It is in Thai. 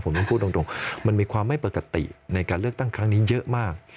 ผมต้องพูดตรงมันมีความไม่ปกติในการเลือกตั้งครั้งนี้เยอะมาก